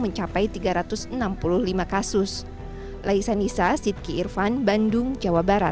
mencapai tiga ratus enam puluh lima kasus